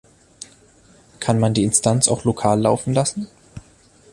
Kann man die Instanz auch lokal laufen lassen?